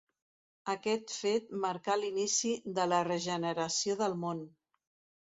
Aquest fet marcà l'inici de la regeneració del món.